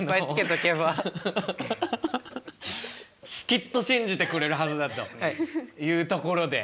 きっと信じてくれるはずだというところで。